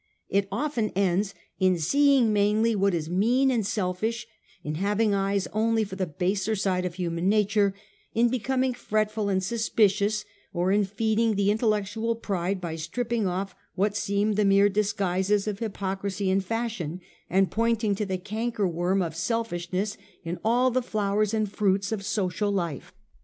It often ends in seeing mainly what is mean and selflsh, in having eyes only for the baser side of human nature, in becoming fretful and suspicious, or in feeding an intellectual pride by stripping off what seem the mere disguises of hypocrisy and fashion, and pointing to the cankerworm of selfishness in all the flowers and fruits of social life.